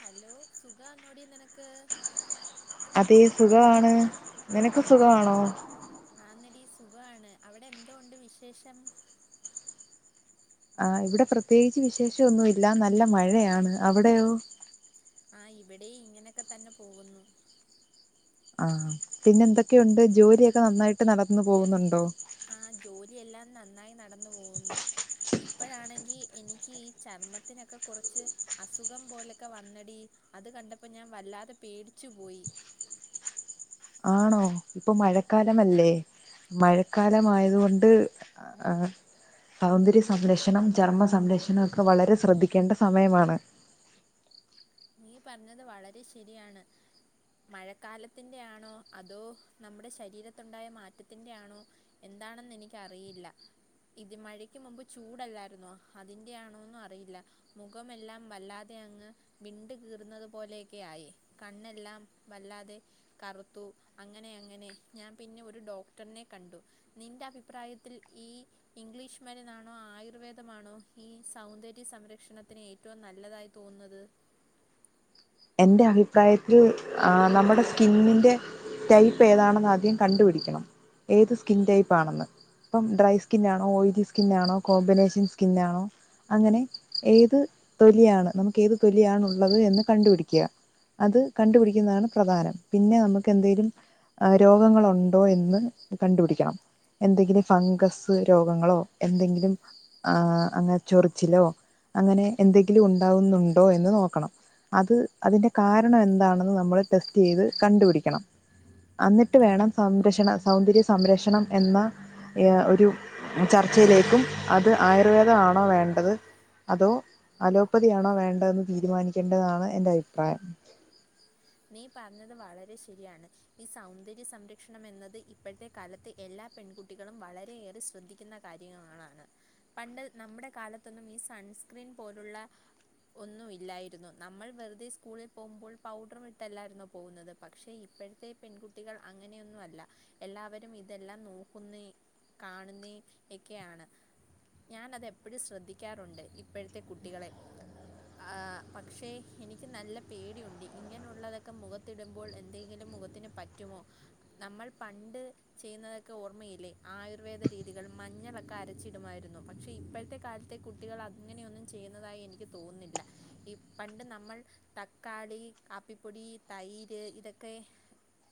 Hello സുഖാന്നോടി നിനക്ക് അതെ സുഖവാണ് നിനക്ക് സുഖവാണോ ആന്നെടി സുഖ്വാണ് അവിടെന്തോ ഒണ്ട് വിശേഷം ആഹ് ഇവ്ടെ പ്രത്യേകിച്ച് വിശേഷൊന്നൂല്ല നല്ല മഴയാണ് അവിടെയോ ആഹ് ഇവ്ടേം ഇങ്ങനക്കെ തന്നെ പോകുന്നു ആഹ് പിന്നെ എന്തൊക്കെയുണ്ട് ജോലിയൊക്കെ നന്നായിട്ട് നടന്നു പോകുന്നുണ്ടോ ആ ജോലിയെല്ലാം നന്നായി നടന്നു പോകുന്നു ഇപ്പോഴാണെങ്കി എനിക്ക് ഈ ചർമ്മത്തിനൊക്കെ കൊറച്ച് അസുഖം പോലൊക്കെ വന്നെടി അത് കണ്ടപ്പോ ഞാൻ വല്ലാതെ പേടിച്ചു പോയി ആണോ ഇപ്പം മഴക്കാലമല്ലേ മഴക്കാലമായതുകൊണ്ട് ആ സൗന്ദര്യ സംരക്ഷണം ചർമ്മ സംരക്ഷണമൊക്കെ വളരെ ശ്രദ്ധിക്കേണ്ട സമയമാണ് നീ പറ്ഞ്ഞത് വളരെ ശരിയാണ് മഴക്കാലത്തിന്റെ ആണോ അതോ നമ്മുടെ ശരീരത്തുണ്ടായ മാറ്റത്തിന്റെ ആണോ എന്താണെന്ന് എനിക്കറിയില്ല ഇത് മഴയ്ക്ക് മുമ്പ് ചൂടല്ലായിരുന്നോ അതിന്റെയാണോന്നും അറിയില്ല മുഖമെല്ലാം വല്ലാതെ അങ്ങ് വിണ്ട് കീറുന്നതു പോലെയൊക്കെയായി കണ്ണെല്ലാം വല്ലാതെ കറുത്തു അങ്ങനെ അങ്ങനെ ഞാൻ പിന്നെ ഒരു ഡോക്ടറിനെ കണ്ടു നിന്റെ അഭിപ്രായത്തിൽ ഈ ഇംഗ്ലീഷ് മരുന്നാണോ ആയുർവേദമാണോ ഈ സൗന്ദര്യ സംരക്ഷണത്തിന് ഏ റ്റവും നല്ലതായി തോന്നുന്നത് എന്റെ അഭിപ്രായത്തിൽ നമ്മുടെ സ്കിന്നിന്റെ ടൈപ്പ് ഏതാണെന്ന് ആദ്യം കണ്ടുപിടിക്കണം ഏത് സ്കിൻ ടൈപ്പാണെന്ന് ഇപ്പം ഡ്രൈ സ്കിന്നാണോ ഓയിലി സ്കിന്നാണോ കോമ്പിനേഷൻ സ്കിന്നാണോ അങ്ങനെ ഏത് തൊലിയാണ് നമുക്ക് ഏത് തൊലിയാണുള്ളത് എന്ന് കണ്ടുപിടി ക്കാ അത് കണ്ടുപിടിക്കുന്നതാണ് പ്രധാനം പിന്നെ നമുക്ക് എന്തേലും രോഗങ്ങളുണ്ടോ എന്ന് കണ്ടുപിടിക്കണം എന്തെങ്കിലും ഫംഗസ് രോഗങ്ങളോ എന്തെങ്കിലും ആ അങ്ങനെ ചൊറിച്ചിലോ അങ്ങനെ എന്തെങ്കിലും ഉണ്ടാവുന്നുണ്ടോ എന്ന് നോക്കണം അത് അതിന്റെ കാരണം എന്താണെന്ന് നമ്മള് ടെസ്റ്റ് ചെയ്ത് കണ്ടുപിടിക്കണം എന്നിട്ട് വേണം സംരക്ഷണ സൗന്ദര്യ സംരക്ഷണം എന്ന ഒരു ചർച്ചയിലേക്കും അത് ആയുർവേദമാണോ വേണ്ടത് അതോ അലോപ്പതിയാണോ വേണ്ടതെന്ന് തീരുമാനിക്കേണ്ടതാണ് എന്റെ അഭിപ്രായം നീ പറ്ഞ്ഞത് വളരെ ശരിയാണ് ഈ സൗന്ദര്യ സംരക്ഷണം എന്നത് ഇപ്പോഴത്തെ കാലത്തെ എല്ലാ പെൺകുട്ടികളും വളരെയേറെ ശ്രദ്ധിക്കുന്ന കാര്യങ്ങളാളാണ് പണ്ട് നമ്മുടെ കാലത്തൊന്നും ഈ സൺസ്ക്രീൻ പോലുള്ള ഒന്നുമില്ലായിരുന്നു നമ്മൾ വെറുതെ സ്കൂളിൽ പോകുമ്പോൾ പൗഡർ ട്ടല്ലായിരുന്നോ പോകുന്നത് പക്ഷേ ഇപ്പോഴത്തെ പെൺകുട്ടികൾ അങ്ങനെയൊന്നും അല്ല എല്ലാവരും ഇതെല്ലാം നോക്കുന്നെ കാണുന്നെ യക്കെയാണ് ഞാനതെപ്പഴും ശ്രദ്ധിക്കാറുണ്ട് ഇപ്പോഴത്തെ കുട്ടികളെ ആഹ് പക്ഷെ എനിക്ക് നല്ല പേടിയുണ്ട് ഇങ്ങന ഉള്ളതൊക്കെ മുഖത്തിടുമ്പോൾ എന്തെങ്കിലും മുഖത്തിന് പറ്റുമോ നമ്മൾ പണ്ട് ചെയ്യുന്നതൊക്കെ ഓർമ്മയില്ലേ ആയുർവേദ രീതികൾ മഞ്ഞളൊക്കെ അരച്ചി ടുമായിരുന്നു പക്ഷെ ഇപ്പോഴത്തെ കാലത്തെ കുട്ടികൾ അങ്ങനെയൊന്നും ചെയ്യുന്നതായി എനിക്ക് തോന്നുന്നില്ല പണ്ട് നമ്മൾ തക്കാളി കാപ്പിപ്പൊടി തൈര് ഇതൊക്കെ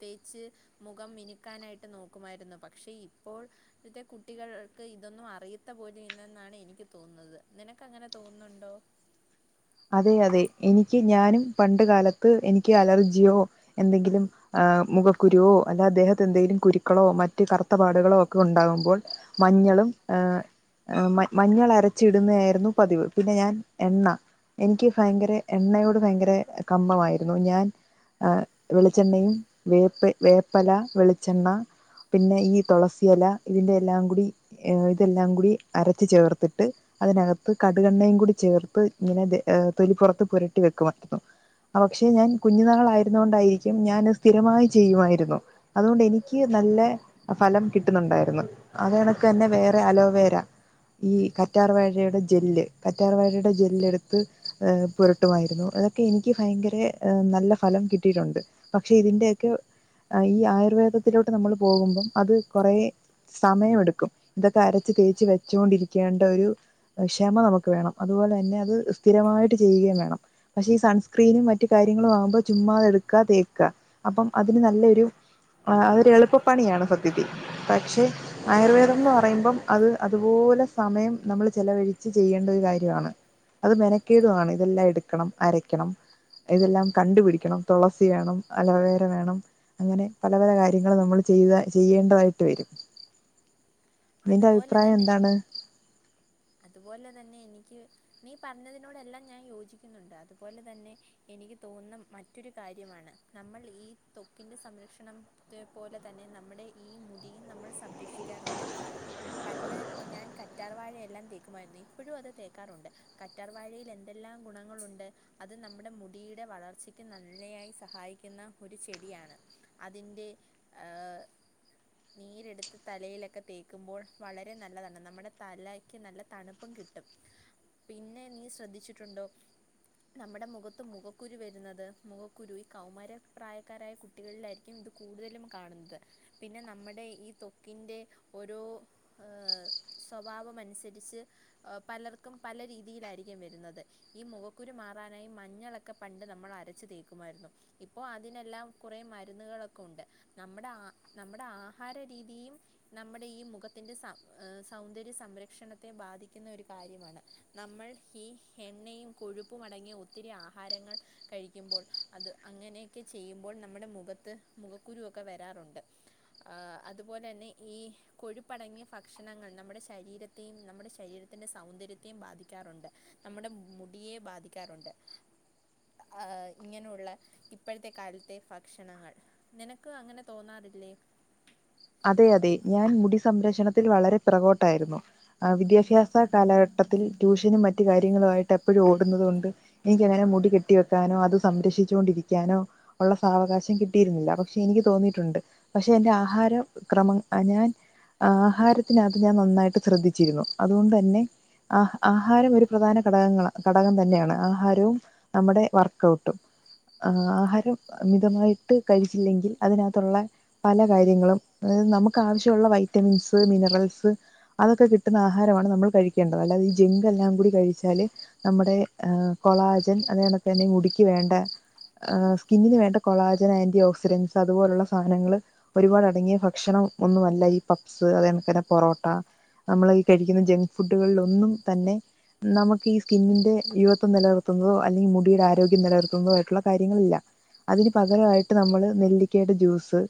തേച്ച് മുഖം മിനുക്കാനായിട്ട് നോക്കുമായിരുന്നു പക്ഷേ ഇപ്പോൾ ഇപത്തെ കുട്ടികൾക്ക് ഇതൊന്നും അറിയത്ത പോലു ഇല്ലെന്നാണ് എനിക്ക് തോന്നുന്നത് നിനക്ക് അങ്ങനെ തോന്നുന്നുണ്ടോ അതെ അതെ എനിക്ക് ഞാനും പണ്ട് കാലത്ത് എനിക്ക് അലർജിയോ എന്തെങ്കിലും ആഹ് മുഖക്കുരുവോ അല്ല ദേഹത്ത് എന്തെലും കുരുക്കളോ മറ്റ് കറുത്തപാടുകളോ ഒക്കെ ഉണ്ടാകുമ്പോൾ മഞ്ഞളും ഏഹ് മ മഞ്ഞൾ അരച്ചിടുന്നതായിരുന്നു പതിവ് പിന്നെ ഞാൻ എണ്ണ എനിക്ക് ഭയങ്കര എണ്ണയോട് ഭയങ്കര കമ്പമായിരുന്നു ഞാൻ ആഹ് വെളിച്ചെണ്ണയും വേപ്പ് വേപ്പല വെളിച്ചെണ്ണ പിന്നെ ഈ തുളസി എല ഇതിൻ്റെ എല്ലാം കൂടി ഇതെല്ലാം കൂടി അരച്ച് ചേർത്തിട്ട് അതിനകത്ത് കടുകണ്ണയും കൂടി ചേർത്ത് ഇങ്ങനെത് ഏഹ തൊലിപ്പുറത്ത് പുരട്ടി വെക്കുമായിരുന്നു പക്ഷെ ഞാൻ കുഞ്ഞുനാളായിരുന്ന കൊണ്ടായിരിക്കും ഞാൻ സ്ഥിരമായി ചെയ്യുമായിരുന്നു അതുകൊണ്ട് എനിക്ക് നല്ല ഫലം കിട്ടുന്നുണ്ടായിരുന്നു അത എനക്ക് തന്നെ വേറെ അലോവേര ഈ കറ്റാർ വഴയുടെ ജെല് കറ്റാർ വഴയുടെ ജെല്ല് എടുത്ത് ത്ത് പുരട്ടുമായിരുന്നു അതൊക്കെ എനിക്ക് ഭയങ്കര നല്ല ഫലം കിട്ടിയിട്ടുണ്ട് പക്ഷെ ഇതിന്റെയൊക്കെ ഈ ആയുർവേദത്തിലോട്ട് നമ്മൾ പോകുമ്പം അത് കുറെ സമയമെടുക്കും ഇതൊക്കെ അരച്ച് തേച്ച് വെച്ചുകൊണ്ടിരിക്കേണ്ട ഒരു ക്ഷമ നമുക്ക് വേണം അതുപോലെ തന്നെ അത് സ്ഥിരമായിട്ട് ചെയ്യുകയും വേണം പക്ഷെ ഈ സൺസ്ക്രീനും മറ്റു കാര്യങ്ങളും വാങ്ങുമ്പോ ചുമ്മാത എടുക്കാ തേക്കാ അപ്പം അതിന് നല്ലൊരു അതരു എളുപ്പപ്പണിയാണ് സത്യത്തിൽ പക്ഷെ ആയുർവേദം എന്ന് പറയുമ്പം അത് അതുപോലെ സമയം നമ്മൾ ചെലവഴിച്ച് ചെയ്യേണ്ട ഒരു കാര്യമാണ് അത് മെനക്കേടുമാണ് ഇതെല്ലാം എടുക്കണം അരയ്ക്കണം ഇതെല്ലാം കണ്ടുപിടിക്കണം തുളസി വേണം അലോവേര വേണം അങ്ങനെ പല പല കാര്യങ്ങളും നമ്മൾ ചെയ്യുക ചെയ്യേണ്ടതായിട്ട് വരും നിന്റെ അതുപോലെ അഭിപ്രായം തന്നെ എന്താണ് അതുപോലെ തന്നെ എനിക്ക് നീ പറഞ്ഞതിനോടെല്ലാം ഞാൻ യോജിക്കുന്നുണ്ട് അതുപോലെ തന്നെ എനിക്ക് തോന്നുന്ന മറ്റൊരു കാര്യമാണ് നമ്മൾ ഈ തൊക്കിൻ്റെ സംരക്ഷണം റ്റ് പോലെ തന്നെ നമ്മുടെ ഈ മുടിയും നമ്മൾ സംരക്ഷിക്കാറുണ്ട് പണ്ട് ഞാൻ കറ്റാർ വാഴയെല്ലാം തേക്കുമായിരുന്നു ഇപ്പഴും അത് തേക്കാറുണ്ട് കറ്റർവാഴയിൽ എന്തെല്ലാം ഗുണങ്ങളുണ്ട് അത് നമ്മുടെ മുടിയുടെ വളർച്ചയ്ക്ക് നല്ലയായി സഹായിക്കുന്ന ഒരു ചെടിയാണ് അതിന്റെ നീരെടുത്ത് തലയിലൊക്കെ തേ ക്കുമ്പോൾ വളരെ നല്ലതാണ് നമ്മുടെ തലയ്ക്ക് നല്ല തണുപ്പും കിട്ടും പിന്നെ നീ ശ്രദ്ധിച്ചിട്ടുണ്ടോ നമ്മുടെ മുഖത്ത് മുഖക്കുരു വരുന്നത് മുഖക്കുരു ഈ കൗമാര പ്രായക്കാരായ കു ട്ടികളിലായിരിക്കും ഇത് കൂടുതലും കാണുന്നത് പിന്നെ നമ്മുടെ ഈ തൊക്കിന്റെ ഓരോ ഏഹ് സ്വഭാവമനുസരിച്ച് പലർക്കും പല രീതിയിലായിരിക്കും വരുന്നത് ഈ മുഖക്കുരു മാറാനായി മഞ്ഞളൊക്കെ പണ്ട് നമ്മൾ അരച്ചു തേക്കുമായിരുന്നു ഇപ്പോ അതിനെല്ലാം കുറെ മരുന്നുകളൊക്കെ ഉണ്ട് നമ്മുടെ ആ നമ്മുടെ ആഹാര രീതിയും നമ്മുടെ ഈ മുഖത്തിൻ്റെ സ സൗന്ദര്യ സംരക്ഷണത്തെ ബാധിക്കുന്ന ഒരു കാര്യമാണ് നമ്മൾ ഈ എണ്ണയും കൊഴുപ്പും അടങ്ങിയ ഒത്തിരി ആഹാരങ്ങൾ കഴിക്കുമ്പോൾ അത് അങ്ങനെയൊക്കെ ചെയ്യുമ്പോൾ നമ്മുടെ മുഖത്ത് മുഖക്കുരു ഒക്കെ വരാറുണ്ട് ആ അതുപോലെ തന്നെ ഈ കൊഴുപ്പടങ്ങിയ ഭക്ഷണങ്ങൾ നമ്മുടെ ശരീരത്തെയും നമ്മുടെ ശരീരത്തിൻ്റെ സൗന്ദര്യ ത്തേയും ബാധിക്കാറുണ്ട് നമ്മുടെ മുടിയെ ബാധിക്കാറുണ്ട് ആ ഇങ്ങനെയുള്ള ഇപ്പഴത്തെ കാലത്തെ ഭക്ഷണങ്ങൾ നിനക്ക് അങ്ങനെ തോന്നാറില്ലേ അതെ അതെ ഞാൻ മുടി സംരക്ഷണത്തിൽ വളരെ പിറകോട്ടായിരുന്നു ആ വിദ്യാഭ്യാസ കാലഘട്ടത്തിൽ ട്യൂഷനും മറ്റു കാര്യങ്ങളുയിട്ട് എപ്പഴും ഓടുന്നത് കൊണ്ട് എനിക്കങ്ങനെ മുടി കെട്ടി വെക്കാനോ അത് സംരക്ഷിച്ചു കൊണ്ടിരിക്കാനോ ഉള്ള സാവകാശം കിട്ടിയിരുന്നില്ല പക്ഷെ എനിക്ക് തോന്നിയിട്ടുണ്ട് പക്ഷെ എന്റെ ആഹാരം ക്രമം ഞാൻ ആഹാരത്തിനകത്ത് ഞാൻ നന്നായിട്ട് ശ്രദ്ധിച്ചിരുന്നു അതുകൊണ്ട് തന്നെ ആ ആഹാരം ഒരു പ്രധാന ഘടകങ്ങള ഘടകം തന്നെയാണ് ആഹാരവും നമ്മുടെ വർക്കഔട്ടും ആഹാരം മിതമായിട്ട് കഴിച്ചില്ലെങ്കിൽ അതിനകത്തുള്ള പല കാര്യങ്ങളും അത് നമുക്ക് ആവശ്യമുള്ള വൈറ്റമിൻസ് മിനറൽസ് അതൊക്കെ കിട്ടുന്ന ആഹാരമാണ് നമ്മൾ കഴിക്കേണ്ടത് അല്ലാത ഈ ജെങ്കെല്ലാം കൂടി കഴിച്ചാല് നമ്മുടെ ആഹ് കൊളാജൻ അത്കണക്ക് തന്നെ മുടിക്ക് വേണ്ട ആഹ് സ്കിന്നിന് വേണ്ട കൊളാജൻ ആന്റി ഓക്സിഡന്റ്സ് അതുപോലുള്ള സാധനങ്ങള് ഒരുപാട് അടങ്ങിയ ഭ ക്ഷണം ഒന്നുവല്ല ഈ പപ്പ്സ് അത് കണക്കന്നെ പൊറോട്ട നമ്മളീ കഴിക്കുന്ന ജങ്ക് ഫുഡുകളിൽ ഒന്നും തന്നെ നമുക്ക് ഈ സ്കിന്നിന്റെ യുവത്വം നിലനിർത്തുന്നതോ അല്ലെങ്കിൽ മുടിയുടെ ആരോഗ്യം നിലനിർത്തുന്നതോ ആയിട്ടുള്ള കാര്യങ്ങളില്ല അതിന് പകരമായിട്ട് നമ്മള് നെല്ലിക്കയുടെ ജ്യൂസ്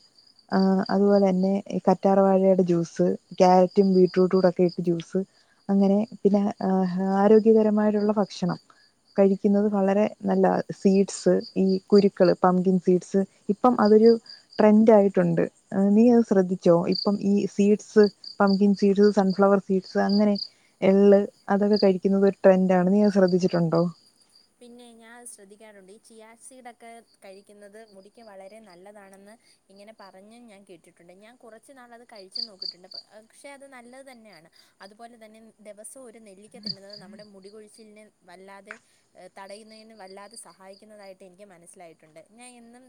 ആഹ് അതുപോല ന്നെ ഈ കറ്റാർ വാഴയുടെ ജ്യൂസ് ക്യാരറ്റും ബീട്രൂട്ടൂടൊക്കെയിട്ട് ജ്യൂസ് അങ്ങനെ പിന്നെ ആഹാ ആരോഗ്യകരമായിട്ടുള്ള ഭക്ഷണം കഴിക്കുന്നത് വളരെ നല്ലതാ സീഡ്സ് ഈ കുരുക്കള് പംകിൻ സീഡ്സ് ഇപ്പം അതൊരു ട്രെൻഡായിട്ടുണ്ട് ആഹ് നീ അത്‌ ശ്രദ്ധിച്ചോ ഇപ്പം ഈ seeds pumpkin seeds sunflower seeds അങ്ങനെ എള്ള് അതൊക്കെ കഴിക്കുന്നുന്നത് ഒരു ട്രെൻഡാണ് നീ അത്ശ്രദ്ധിച്ചിട്ടുണ്ടോ പിന്നെ ഞാൻ ശ്രദ്ധിക്കാറുണ്ട് ഈ ചിയാസീഡൊക്കെ കഴിക്കുന്നത് മുടിക്ക് വളരെ നല്ലതാണെന്ന് ഇങ്ങനെ പറഞ്ഞും ഞാൻ കേട്ടിട്ടുണ്ട് ഞാൻ കുറച്ചു നാൾ അത് കഴിച്ചും നോക്കീട്ടുണ്ട് പക്ഷെ അത് നല്ലത് തന്നെയാണ് അതുപോലെ തന്നെ ദിവസവും ഒരു നെല്ലിക്ക തിന്നുന്നത് നമ്മുടെ മുടികൊഴിച്ചിലിന് വല്ലാതെ അഹ് തടയുന്നതിന് വല്ലാതെ സഹായിക്കുന്നതായിട്ട് എനിക്ക് മനസ്സിലായിട്ടുണ്ട് ഞാൻ എന്നും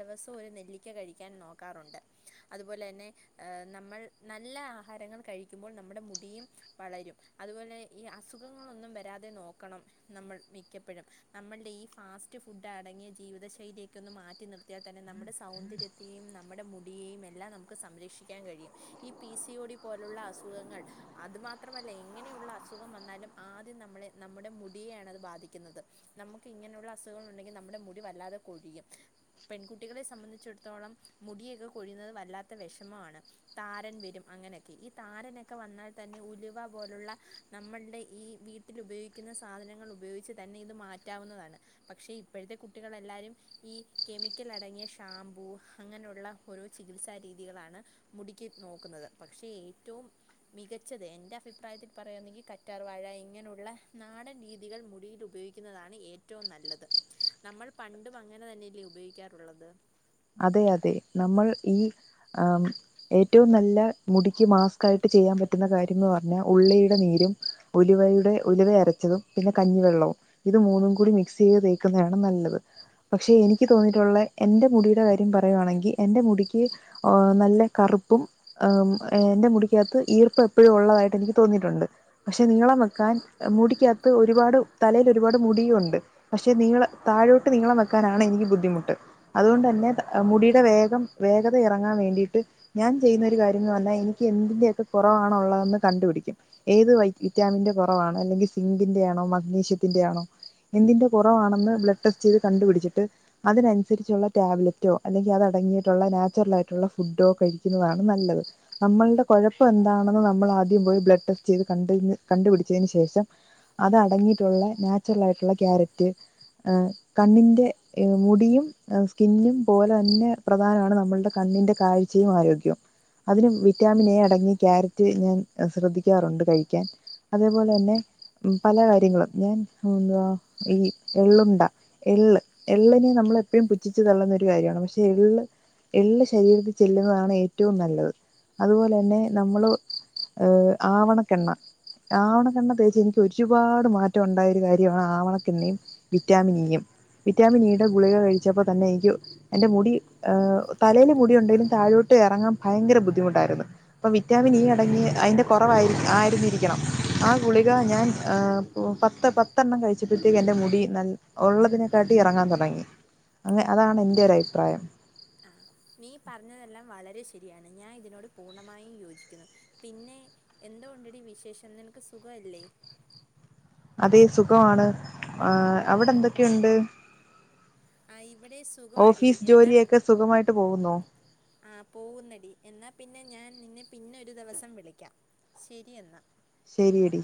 ദിവസവും ഒരു നെല്ലിക്ക കഴിക്കാൻ നോക്കാറുണ്ട് അതുപോലെ തന്നെ ആഹ് നമ്മൾ നല്ല ആഹാരങ്ങൾ കഴിക്കുമ്പോൾ നമ്മുടെ മുടിയും വളരും അതുപോലെ ഈ അസുഖങ്ങളൊന്നും വരാതെ നോക്കണം നമ്മൾ മിക്കപ്പഴും നമ്മൾടെ ഈ ഫാസ്റ്റ് ഫുഡ് അടങ്ങിയ ജീവിതശൈലിയൊക്കെ ഒന്ന് മാറ്റി നിർ ത്തിയ തന്നെ നമ്മുടെ സൗന്ദര്യത്തെയും നമ്മുടെ മുടിയേയും എല്ലാം നമുക്ക് സംരക്ഷിക്കാൻ കഴിയും ഈ പി സി ഒ ഡി പോലുള്ള അസുഖങ്ങൾ അതുമാത്രമല്ല എങ്ങനെയുള്ള അസുഖം വന്നാലും ആദ്യം നമ്മളെ നമ്മുടെ മുടിയെയാണത് ബാധി ക്കുന്നത് നമുക്ക് ഇങ്ങനെയുള്ള അസുഖങ്ങൾ ഉണ്ടെങ്കിൽ നമ്മുടെ മുടി വല്ലാതെ കൊഴിയും പെൺകുട്ടികളെ സംബന്ധിച്ചിടത്തോളം മുടിയൊക്കെ കൊഴിയുന്നത് വല്ലാത്ത വിഷമമാണ് താരൻ വരും അങ്ങനെയൊക്കെ ഈ താരനൊക്കെ വന്നാൽ തന്നെ ഉലുവ പോലുള്ള നമ്മൾടെ ഈ വീട്ടിലുപയോഗിക്കുന്ന സാധനങ്ങൾ ഉപയോഗിച്ച് തന്നെ ഇത് മാറ്റാവുന്നതാണ് പക്ഷെ ഇപ്പഴത്തെ കുട്ടികൾ എല്ലാരും ഈ കെമിക്കൽ അടങ്ങിയ ഷാംമ്പൂ അങ്ങനെയുള്ള ഓരോ ചികിത്സാരീതികളാണ് മുടിക്ക് നോക്കുന്നത് പക്ഷേ ഏറ്റവും മികച്ചത് എന്റെ അഭിപ്രായത്തിൽ പറയുന്നെങ്കിൽ കറ്റാർ വാഴ ഇങ്ങനെയുള്ള നാടൻ രീതികൾ മുടിയിലു പയോഗിക്കുന്നതാണ് ഏറ്റവും നല്ലത് നമ്മള് പണ്ടും അങ്ങനെ തന്നെല്ലേ ഉപയോഗിക്കാറുള്ളത് അതെ അതെ നമ്മൾ ഈ ആം ഏറ്റവും നല്ല മുടിക്ക് മാസ്കായിട്ട് ചെയ്യാൻ പറ്റുന്ന കാര്യംന്ന് പറഞ്ഞാ ഉള്ളീടെ നീരും ഉലുവയുടെ ഉലുവ അരച്ചതും പിന്നെ കഞ്ഞിവെള്ളവും ഇത് മൂന്നും കൂടി മിക്സ് ചെയ്ത് തേക്കുന്നതാണ് നല്ലത് പക്ഷെ എനിക്ക് തോന്നിയിട്ടുള്ള എന്റെ മുടിയു ടെ കാര്യം പറയുവാണെങ്കിൽ എന്റെ മുടിക്ക് ആഹ് നല്ല കറുപ്പും ഏഹ് എന്റെ മുടിക്കകത്ത് ഈർപ്പം എപ്പഴും ഉള്ളതായിട്ട് എനിക്ക് തോന്നിയിട്ടുണ്ട്. പക്ഷെ നീളം വെക്കാൻ മുടിക്കകത്ത് ഒരുപാട് തലേലൊരുപാട് മുടിയുണ്ട്. പക്ഷെ നീളം താഴോട്ട് നീളം വെക്കാനാണ് എനിക്ക് ബുദ്ധിമുട്ട് അതുകൊണ്ടെന്നെ മുടിയുടെ വേഗം വേഗത ഇറങ്ങാൻ വേണ്ടിയിട്ട് ഞാൻ ചെയ്യുന്ന ഒരു കാര്യം എന്ന് പറഞ്ഞാൽ എനിക്ക് എന്തിന്റെ ഒക്കെ കൊറവാണ് ഒള്ളതെന്ന് കണ്ടുപിടിക്കും. ഏത് വൈ വിറ്റാമിന്റെ കൊറവാണ് അല്ലെങ്കിൽ സിങ്കിന്റെ ആണോ മഗ്നീഷ്യത്തിന്റെ ആണോ എന്തിന്റെ കൊറവാണെന്ന് ബ്ലഡ് ടെസ്റ്റ് ചെയ്ത് കണ്ടു പിടിച്ചിട്ട് അതിനനുസരിച്ചുള്ള ടാബ്ല റ്റോ അല്ലെങ്കിൽ അതടങ്ങിയിട്ടുള്ള നാച്ചുറൽ ആയിട്ടുള്ള ഫുഡോ കഴിക്കുന്നതാണ് നല്ലത്. നമ്മൾടെ കൊഴപ്പം എന്താണെന്ന് നമ്മൾ ആദ്യം പോയി ബ്ലഡ് ടെസ്റ്റ് ചെയ്ത് കണ്ട്ന് കണ്ടുപിടിച്ചതിന് ശേഷം അതടങ്ങിട്ടുള്ള നാച്ചുറലായിട്ടുള്ള ക്യാരറ്റ് ആഹ് കണ്ണിന്റെ എഹ് മുടിയും സ്കിന്നും പോലന്നെ പ്രധാനാണ് നമ്മൾടെ കണ്ണിന്റെ കാഴ്ചയും ആരോഗ്യും അതിന് വിറ്റാമിൻ എ അടങ്ങി ക്യാരറ്റ് ഞാൻ ശ്രദ്ധിക്ക്യാറുണ്ട് കഴിക്ക്യാൻ അതേപോലെന്നെ പല കാര്യങ്ങളും ഞാൻ ഉം ന്താ ഈ എള്ളുണ്ട എള്ള് എള്ള്നെ നമ്മള് എപ്പഴും പുച്ഛിച്ചു തള്ളുന്ന ഒരു കാര്യാണ് പക്ഷെ എള്ള് എള്ള് ശരീരത്തിൽ ചെല്ലുന്നതാണ് ഏറ്റവും നല്ലത് അത്പോലെന്നെ നമ്മള് ഏഹ് ആവണക്കെണ്ണ ആവണക്കെണ്ണ തേച്ച് എനിക്ക് ഒരുപാട് മാറ്റം ഉണ്ടായര് കാര്യാ ആഹ് ആവണക്കെണ്ണയും വിറ്റാമിൻ ഈയും വിറ്റാമിൻ ഇയുടെ ഗുളിക കഴിച്ചപ്പോ തന്നെ എൻക്യു എന്റെ മുടി തലേൽ മുടി ഉണ്ടേലും താഴോട്ട് എറങ്ങാം ഭയങ്കര ബുദ്ധിമുട്ടാ ര്ന്ന് പ്പം വിറ്റാമിൻ ഈ അടങ്ങി അയ്ന്റെ കൊറവായി ആയിരുന്നിരിക്കണം ആഹ് ഗുളിക ഞാൻ പത്ത് പത്തണ്ണം കഴിച്ചപ്പഴ്ത്തേക്ക് എന്റെ മുടി നൽ ഉള്ളതിനെക്കാട്ടി എറങ്ങാതൊടങ്ങി അങ്ങ് അതാണ് എന്റെ ഒരയിപ്രായം ആഹ് നീ പർഞ്ഞതെല്ലാം വളരെ ശരിയാണ് ഞാൻ ഇതിനോട് പൂർണ്ണമായ് യോജിക്കുന്നു പിന്നെ എന്തോണ്ടെടി വിശേഷം നിൻക്ക് സുഖൊല്ലേ അതെ സുഖവാണ് ആഹ് അവ്ടെ എന്തൊക്കെയുണ്ട് ആഹ് ഇവിടെ സ്റ്റ് ഓഫീസ് ജോലിയക്കെ സുഖമായിട്ട് പോകുന്നോ ആഹ് പോകുന്നടി എന്നാപിന്നെ ഞാൻ നിന്നെ പിന്നൊരു ദിവസം വിളിക്യ ശരി എന്നാ ശരിയടി